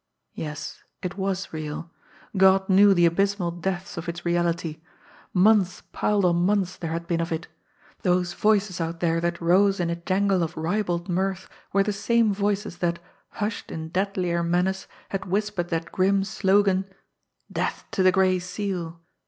Yes, it was real! God knew the abysmal depths of its reality. Months piled on months there had been of it! Those voices out there that rose in a jangle of ribald mirth were the same voices that, hushed in deadlier menace, had whispered that grim slogan, "Death to the Gray Seal!"